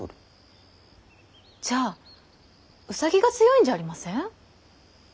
じゃあ兎が強いんじゃありません？